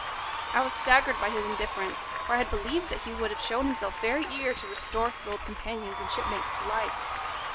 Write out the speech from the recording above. I was staggered by his indifference, for I had believed he would have shown himself very eager to restore his old companions and shipmates to life.